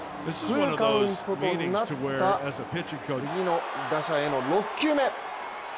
フルカウントとなった次の打者への６球目。